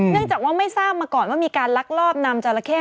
เนื่องจากว่าไม่ทราบมาก่อนว่ามีการลักลอบนำจาละแคร่